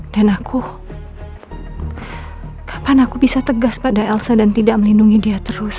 dan aku kapan aku bisa tegas pada elsa dan tidak melindungi dia terus